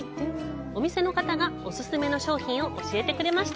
お店の方がオススメの商品を教えてくれました。